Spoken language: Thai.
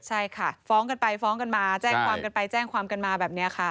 ใช่ค่ะฟ้องกันไปฟ้องกันมาแจ้งความกันไปแจ้งความกันมาแบบนี้ค่ะ